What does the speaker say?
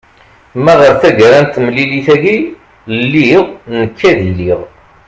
ma ɣer tagara n temlilit-agi lliɣ nekk ad iliɣ